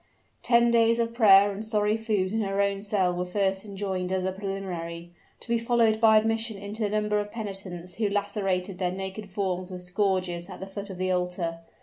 Ten days of prayer and sorry food in her own cell were first enjoined as a preliminary, to be followed by admission into the number of penitents who lacerated their naked forms with scourges at the foot of the altar.